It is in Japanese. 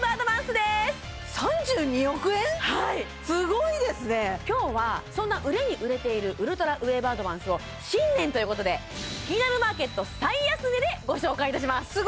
すごいですね今日はそんな売れに売れているウルトラウェーブアドバンスを新年ということで「キニナルマーケット」最安値でご紹介いたします